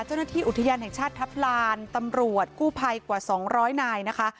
เจ้าหน้าที่อุทยานแห่งชาติทัพลานตำรวจกู้ภัยกว่า๒๐๐นายนะคะ